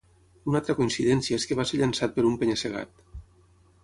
Una altra coincidència és que va ser llançat per un penya-segat.